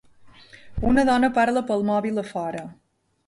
Una dona parla pel mòbil a fora